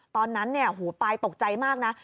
ตอนนั้นหูปลายตกใจมากนะ